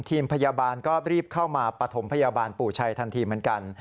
ทีมพยาบาลก็รีบเข้ามาปฐมพยาบาลปู่ชัยทันทีเหมือนกัน